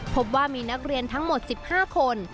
พบว่ามีนักเรียนทั้งหมด๑๕คน